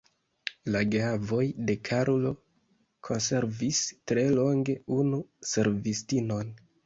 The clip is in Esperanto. La geavoj de Karlo konservis tre longe unu servistinon.